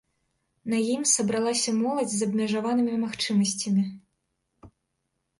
На ім сабралася моладзь з абмежаванымі магчымасцямі.